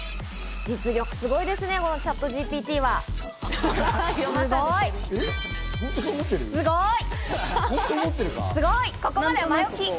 実力すごいですね、チャットＧＰＴはすごい！